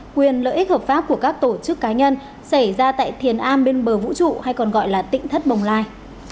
quyền lợi ích hợp pháp của các tổ chức cá nhân xảy ra tại thiền a bên bờ vũ trụ hay còn gọi là tỉnh thất bồng lai